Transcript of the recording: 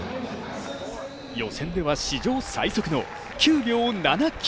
予選では史上最速の９秒７９。